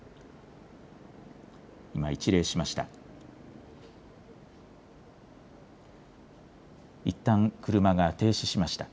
今、一礼しました。